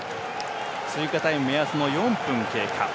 追加タイム目安の４分経過。